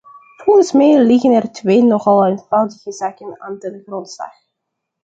Volgens mij liggen er twee nogal eenvoudige zaken aan ten grondslag.